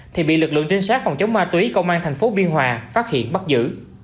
thì bị lực lượng trinh sát phòng chống ma túy công an thành phố biên hòa phát hiện bắt giữ